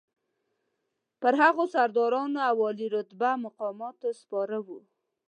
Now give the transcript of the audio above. پر هغو سرداران او عالي رتبه مقامات سپاره وو.